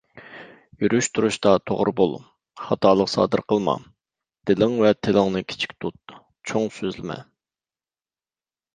يۈرۈش تۇرۇشتا توغرا بول، خاتالىق سادىر قىلما. دىلىڭ ۋە تىلىڭنى كىچىك تۇت، چوڭ سۆزلىمە.